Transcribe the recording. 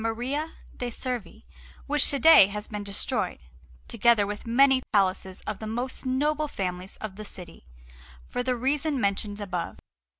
Maria de' Servi, which to day has been destroyed, together with many palaces of the most noble families of the city, for the reasons mentioned above.